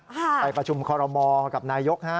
ไปประชุมคอรมอลกับนายกฮะ